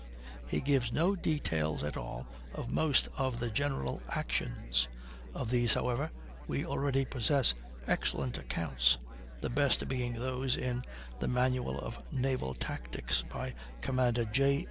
He gives no details at all of most of the general actions. Of these, however, we already possess excellent accounts, the best being those in the "Manual of Naval Tactics," by Commander J.